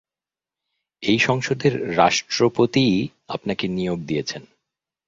এই সংসদের রাষ্ট্রপতিই আপনাকে নিয়োগ দিয়েছেন।